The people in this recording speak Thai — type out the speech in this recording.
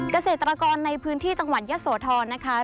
เกษตรกรในพื้นที่จังหวัดยะโสธรนะคะ